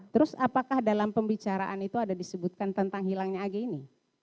terus apakah dalam pembicaraan itu ada disebutkan tentang hilangnya ag ini